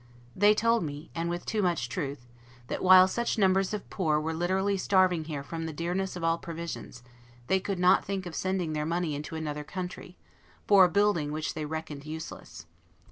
They told me (and with too much truth) that while such numbers of poor were literally starving here from the dearness of all provisions, they could not think of sending their money into another country, for a building which they reckoned useless.